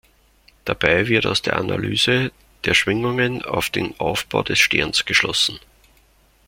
Dabei wird aus der Analyse der Schwingungen auf den Aufbau des Sterns geschlossen.